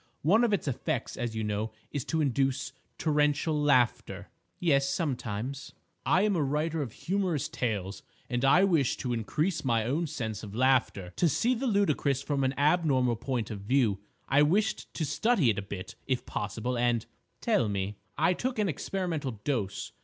One of its effects, as you know, is to induce torrential laughter—" "Yes: sometimes." "—I am a writer of humorous tales, and I wished to increase my own sense of laughter—to see the ludicrous from an abnormal point of view. I wished to study it a bit, if possible, and—" "Tell me!" "I took an experimental dose.